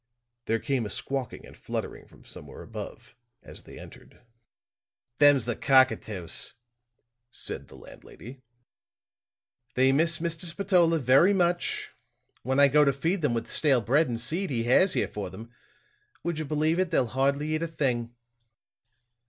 There came a squawking and fluttering from somewhere above as they entered. "Them's the cockatoos," said the landlady. "They miss Mr. Spatola very much. When I go to feed them with the stale bread and seed he has here for them, would you believe it, they'll hardly eat a thing."